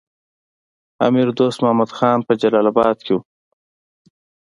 امیر دوست محمد خان په جلال اباد کې وو.